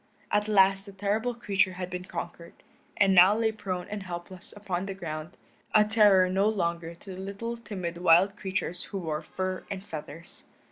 At last the terrible creature had been conquered, and now lay prone and helpless upon the ground, a terror no longer to the little timid wild creatures who wore fur and feathers.